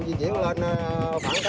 di chuyển lên phản cách